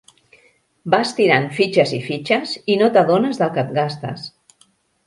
Vas tirant fitxes i fitxes, i no t'adones del que et gastes.